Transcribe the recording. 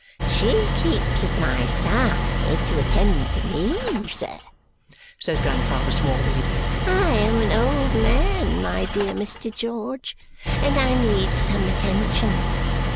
"She keeps at my side to attend to me, sir," says Grandfather Smallweed. "I am an old man, my dear Mr. George, and I need some attention.